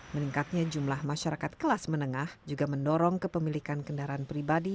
meningkatnya jumlah masyarakat kelas menengah juga mendorong kepemilikan kendaraan pribadi